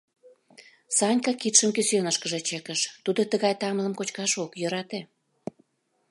Санька кидшым кӱсенышкыже чыкыш — тудо тыгай тамлым кочкаш ок йӧрате.